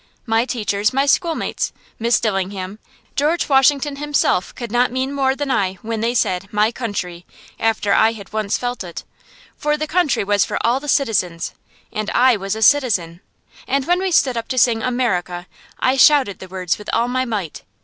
My teacher, my schoolmates, Miss Dillingham, George Washington himself could not mean more than I when they said "my country," after I had once felt it. For the Country was for all the Citizens, and I was a Citizen. And when we stood up to sing "America," I shouted the words with all my might.